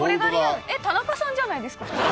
田中さんじゃないですか普通に。